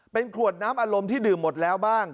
เป็นขวดน้ำอารมณ์ที่ดื่มหมดแล้วบ้าง